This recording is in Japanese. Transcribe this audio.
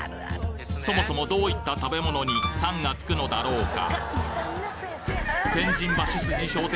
そもそもどういった食べ物に「さん」が付くのだろうか？